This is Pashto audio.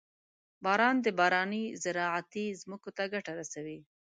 • باران د بارانۍ زراعتي ځمکو ته ګټه رسوي.